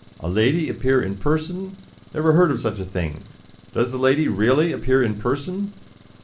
A lady appear in person? Never heard of such a thing! Does the lady really appear in person?"